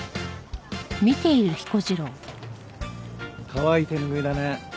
かわいい手拭いだね。